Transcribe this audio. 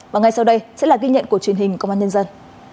và ngay sau đây sẽ là ghi nhận của truyền hình công an nhân dân